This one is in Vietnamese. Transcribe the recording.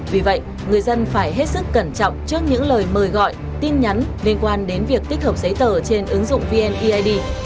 vì vậy người dân phải hết sức cẩn trọng trước những lời mời gọi tin nhắn liên quan đến việc tích hợp giấy tờ trên ứng dụng vneid